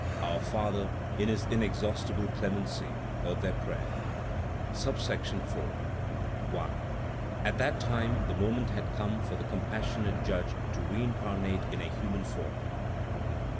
Our Father, in his inexhaustible clemency, heard their prayer. IV. 1. At that time the moment had come for the compassionate Judge to reincarnate in a human form; 2.